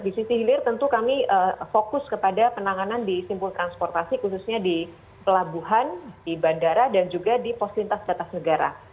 di sisi hilir tentu kami fokus kepada penanganan di simpul transportasi khususnya di pelabuhan di bandara dan juga di pos lintas batas negara